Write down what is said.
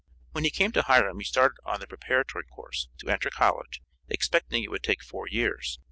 When he came to Hiram he started on the preparatory course, to enter college, expecting it would take four years.